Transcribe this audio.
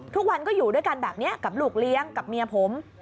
ทุกวันก็อยู่ด้วยกันแบบนี้กับลูกเลี้ยงกับเมียผม